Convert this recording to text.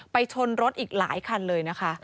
ชนรถอีกหลายคันเลยนะคะ